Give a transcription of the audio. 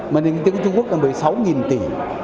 mà nền kinh tế trung quốc là một mươi sáu tỷ